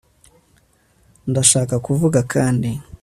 ndashaka kuvuga kandi